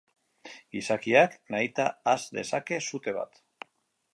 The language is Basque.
Gizakiak nahita has dezake sute bat.